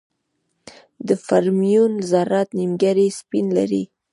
د فرمیون ذرات نیمګړي سپین لري.